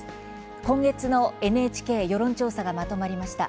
今月のＮＨＫ世論調査がまとまりました。